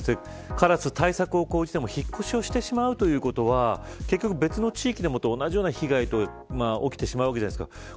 カラス、対策を講じても引っ越しをしてしまうということは結局別の地域でも同じような被害が起きてしまうわけじゃないですか。